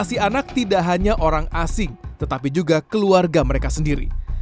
vaksinasi anak tidak hanya orang asing tetapi juga keluarga mereka sendiri